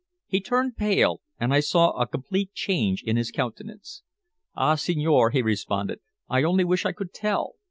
He turned pale, and I saw a complete change in his countenance. "Ah, signore!" he responded, "I only wish I could tell."